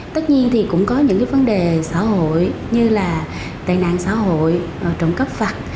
tất nhiên thì cũng có những cái vấn đề xã hội như là tài nạn xã hội trộm cấp vặt